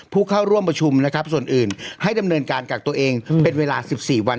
ผู้เข้าร่วมประชุมนะครับส่วนอื่นให้ดำเนินการกักตัวเองเป็นเวลา๑๔วัน